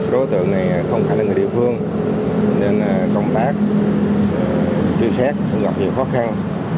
đối tượng này không khả năng người địa phương nên công tác chưa xét không gặp nhiều khó khăn